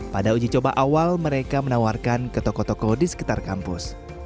pada uji coba awal mereka menawarkan ke toko toko di sekitar kampus